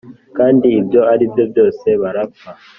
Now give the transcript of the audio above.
kandi ibyo aribyo byose barapfa